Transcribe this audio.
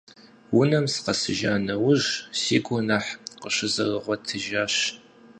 Унэм сыкъэсыжа нэужьщ си гур нэхъ къыщызэрыгъуэтыжар.